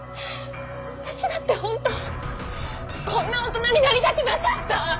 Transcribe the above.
私だって本当はこんな大人になりたくなかった！